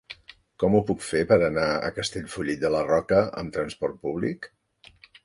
Com ho puc fer per anar a Castellfollit de la Roca amb trasport públic?